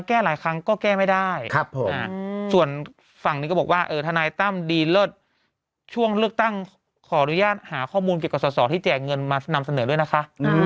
ขออนุญาตหาข้อมูลเกี่ยวกับสอดที่แจกเงินมานำเสนอด้วยนะคะ